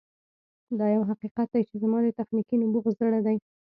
دا یو حقیقت دی چې زما د تخنیکي نبوغ زړه دی